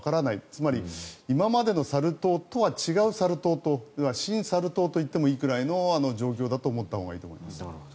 つまり、今までのサル痘とは違うサル痘新サル痘と言ってもいいくらいの状況だと思ったほうがいいと思います。